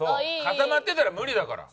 固まってたら無理だから。